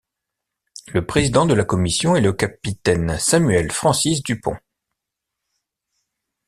Le président de la commission est le capitaine Samuel Francis du Pont.